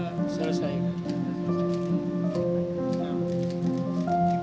terima kasih banyak pak